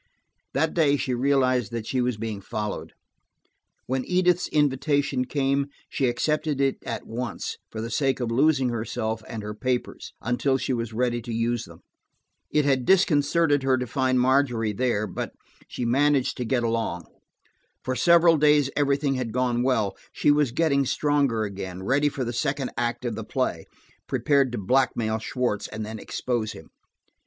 That day she realized that she was being followed. When Edith's invitation came she accepted it at once, for the sake of losing herself and her papers, until she was ready to use them. It had disconcerted her to find Margery there, but she managed to get along. For several days everything had gone well: she was getting stronger again, ready for the second act of the play, prepared to blackmail Schwartz, and then expose him.